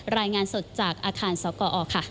รายงานสดจากอาคารสกอค่ะ